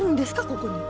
ここに。